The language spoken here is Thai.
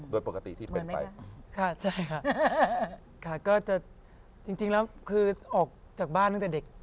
โดยปกติที่เป็นไป